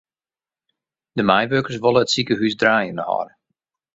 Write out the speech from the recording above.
De meiwurkers wolle it sikehús draaiende hâlde.